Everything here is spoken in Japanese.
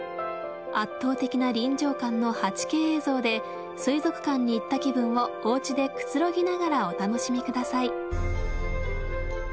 圧倒的な臨場感の８Ｋ映像で水族館に行った気分をおうちでくつろぎながらお楽しみください。